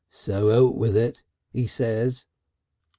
So out with it,' he says."